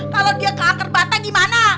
kalau dia ke akar bata gimana